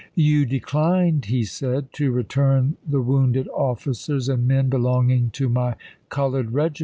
"You declined," he said, "to return the wounded xxviii0,' officers and men belonging to my colored regi p.